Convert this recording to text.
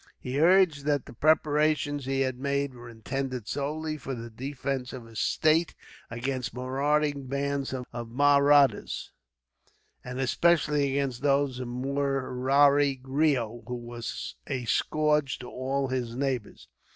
He urged that the preparations he had made were intended solely for the defence of his state, against marauding bands of Mahrattas, and especially against those of Murari Reo, who was a scourge to all his neighbours.